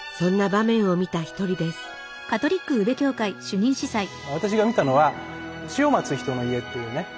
私が見たのは「死を待つ人の家」っていうね施設ですね。